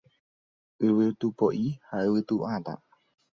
Yvytu po'i ha yvytu hatã